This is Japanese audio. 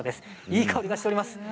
いい香りがしております。